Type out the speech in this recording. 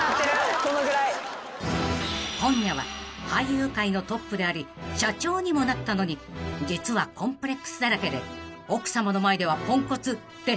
［今夜は俳優界のトップであり社長にもなったのに実はコンプレックスだらけで奥さまの前ではポンコツって本当なの？